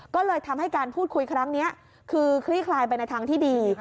ก็เลยทำให้การพูดคุยครั้งนี้คือคลี่คลายไปในทางที่ดี